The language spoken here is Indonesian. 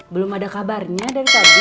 belum ada kabarnya dari tadi